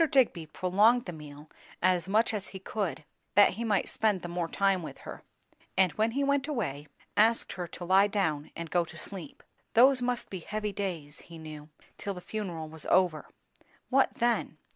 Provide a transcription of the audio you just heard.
Digby prolonged the meal as much as he could, that he might spend the more time with her; and when he went away, asked her to lie down and go to sleep. Those must be heavy days, he knew, till the funeral was over. What then?